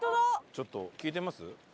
ちょっと聞いてみます？